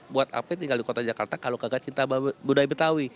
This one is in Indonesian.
buat apa yang tinggal di kota jakarta kalau kagak cinta budaya betawi